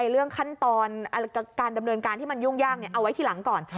เรื่องขั้นตอนการดำเนินการที่มันยุ่งยากเอาไว้ทีหลังก่อน